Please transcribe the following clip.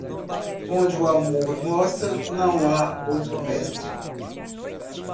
Onde o amor mostra, não há outro mestre.